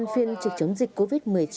viên trực chống dịch covid một mươi chín